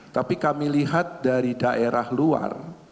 tapi kami lihat dari daerah luar